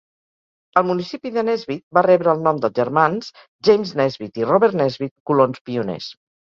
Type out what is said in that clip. El municipi de Nesbit va rebre el nom dels germans James Nesbit i Robert Nesbit, colons pioners.